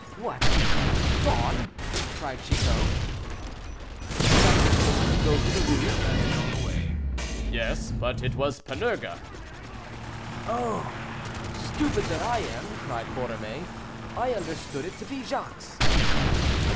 "What! gone," cried Chicot. "Did you not wish some one to go to the Louvre?" "Yes; but it was Panurge." "Oh! stupid that I am," cried Borromée, "I understood it to be Jacques."